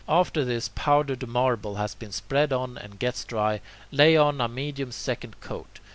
After this powdered marble has been spread on and gets dry, lay on a medium second coat.